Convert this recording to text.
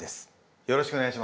よろしくお願いします。